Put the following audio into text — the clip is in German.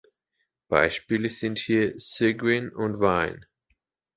Beispiele sind hier Cygwin und Wine.